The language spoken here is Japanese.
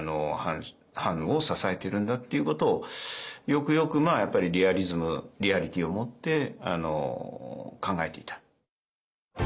藩を支えてるんだっていうことをよくよくやっぱりリアリズムリアリティーをもって考えていた。